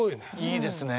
いいですね。